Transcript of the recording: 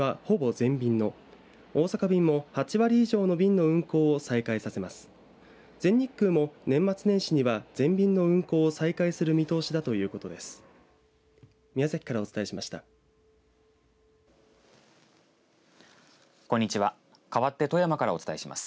全日空も年末年始には全便の運航を再開する見通しだということです。